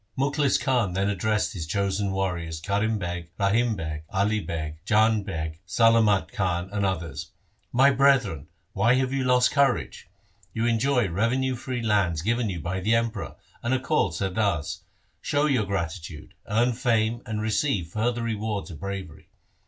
Mukhlis Khan then addressed his chosen warriors Karim Beg, Rahim Beg, Ali Beg, Jang Beg, Salamat Khan, and others :' My brethren, why have you lost courage ? You enjoy revenue free lands given you by the Emperor, and are called Sardars. Show your gratitude, earn fame and receive further rewards of bravery.